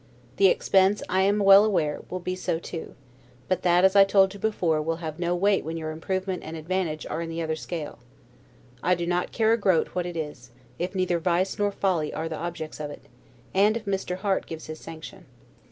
The expense, I am well aware, will be so too; but that, as I told you before, will have no weight when your improvement and advantage are in the other scale. I do not care a groat what it is, if neither vice nor folly are the objects of it, and if Mr. Harte gives his sanction.